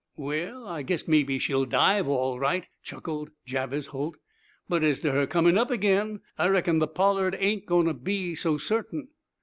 "Well, I guess mebbe she'll dive, all right," chuckled Jabez Holt. "But as to her comin' up again, I reckon the 'Pollard' ain't goin' to be so certain."